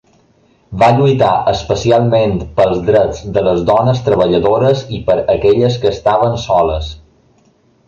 Va lluitar especialment pels drets de les dones treballadores i per aquelles que estaven soles.